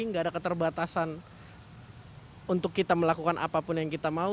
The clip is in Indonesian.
nggak ada keterbatasan untuk kita melakukan apapun yang kita mau